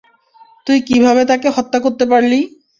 তুই কীভাবে তাকে হত্যা করতে পারলি?